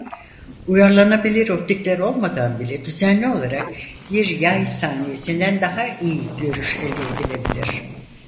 Uyarlanabilir optikler olmadan bile düzenli olarak bir yay saniyesinden daha iyi görüş elde edilebilir.